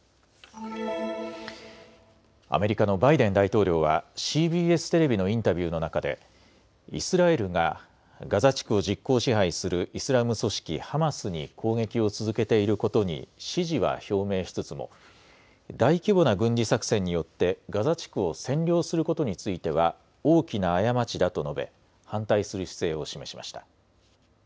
アメリカのバイデン大統領はＣＢＳテレビのインタビューの中でイスラエルがガザ地区を実効支配するイスラム組織ハマスに攻撃を続けていることに支持は表明しつつも大規模な軍事作戦によってガザ地区を占領することについては大きな過ちだと述べ反対する姿勢を示しました。